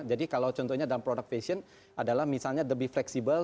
jadi kalau contohnya dalam produk fashion adalah misalnya lebih fleksibel